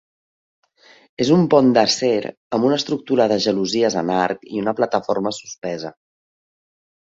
És un pont d"acer amb una estructura de gelosies en arc i una plataforma suspesa.